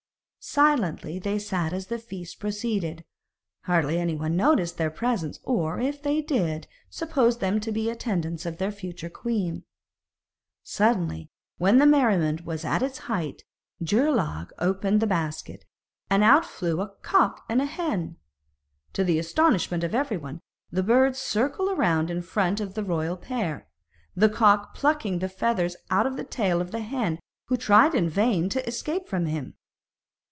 Silently they sat as the feast proceeded; hardly anyone noticed their presence, or, if they did, supposed them to be attendants of their future queen. Suddenly, when the merriment was at its height, Geirlaug opened the basket, and out flew a cock and hen. To the astonishment of everyone, the birds circled about in front of the royal pair, the cock plucking the feathers out of the tail of the hen, who tried in vain to escape from him.